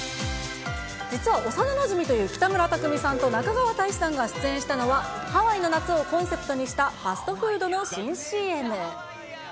実は幼なじみという北村匠海さんと中川大志さんが出演したのは、ハワイの夏をコンセプトにしたファストフードの新ＣＭ。